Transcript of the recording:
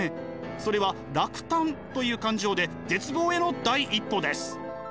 それは落胆という感情で絶望への第一歩です。